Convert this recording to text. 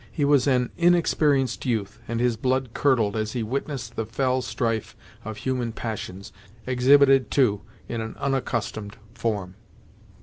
He was an inexperienced youth, and his blood curdled as he witnessed the fell strife of human passions, exhibited too, in an unaccustomed form.